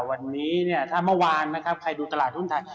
วันนี้เนี่ยถ้าเมื่อวานนะครับใครดูตลาดหุ้นไทย